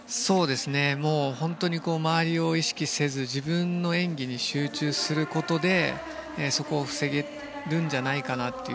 本当に周りを意識せず自分の演技に集中することでそこを防げるんじゃないかなと。